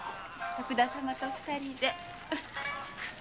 徳田様と二人で。